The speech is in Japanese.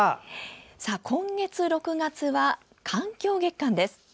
今月６月は環境月間です。